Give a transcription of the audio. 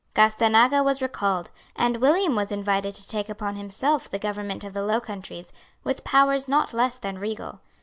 Gastanaga was recalled; and William was invited to take upon himself the government of the Low Countries, with powers not less than regal.